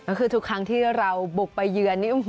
ก็คือทุกครั้งที่เราบุกไปเยือนนี่